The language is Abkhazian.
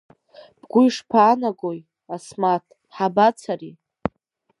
Бгәы ишԥаанагои, Асмаҭ, ҳабацари?